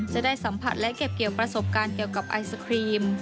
จะได้สัมผัสและเก็บเกี่ยวประสบการณ์เกี่ยวกับไอศครีม